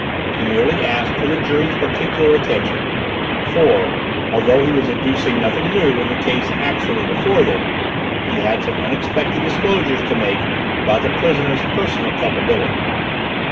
He merely asked for the jury's particular attention; for, although he was adducing nothing new in the case actually before them, he had some unexpected disclosures to make about the prisoner's personal culpability.